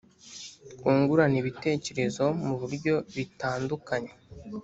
twungurane ibitekerezo mu buryo Bitandukanye